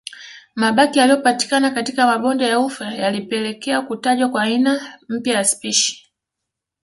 Mabaki yaliyopatikana katika mabonde ya ufa yalipelekea kutajwa kwa aina mpya ya spishi